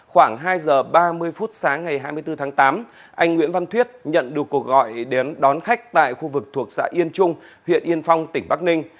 khoảng hai giờ ba mươi phút sáng ngày hai mươi bốn tháng tám anh nguyễn văn thuyết nhận được cuộc gọi đến đón khách tại khu vực thuộc xã yên trung huyện yên phong tỉnh bắc ninh